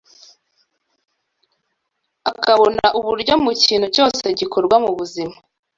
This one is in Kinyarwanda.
akabona uburyo mu kintu cyose gikorwa mu buzima